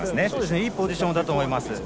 いいポジションだと思います。